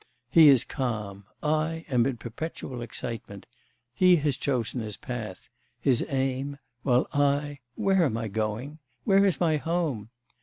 He is calm, I am in perpetual excitement; he has chosen his path, his aim while I where am I going? where is my home?